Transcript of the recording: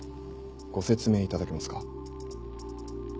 ご説明いただけますか？